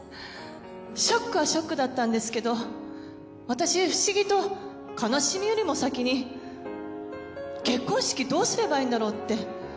ショックはショックだったんですけど私不思議と悲しみよりも先に結婚式どうすればいいんだろう？って